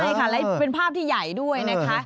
ใช่ค่ะและเป็นภาพที่ใหญ่ด้วยนะคะ